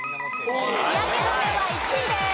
日焼け止めは１位です。